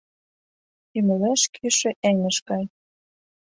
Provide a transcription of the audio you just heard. Ӱмылеш кӱшӧ эҥыж гай